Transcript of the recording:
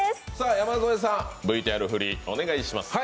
山添さん、ＶＴＲ振りお願いします。